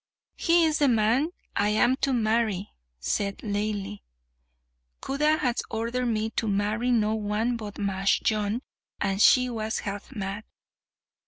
"He is the man I am to marry," said Laili. "Khuda has ordered me to marry no one but Majnun." And she was half mad.